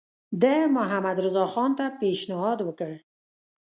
ده محمدرضاخان ته پېشنهاد وکړ.